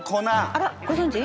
あらご存じ？